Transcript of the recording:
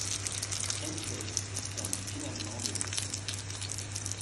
Henckels termine finalement de l'épreuve.